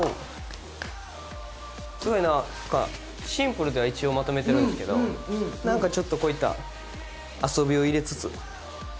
すごいなんかシンプルでは一応まとめてるんですけどなんかちょっとこういった遊びを入れつつ。